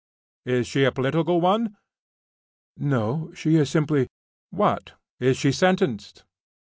"Is she a political one?" "No, she is simply ..." "What! Is she sentenced?"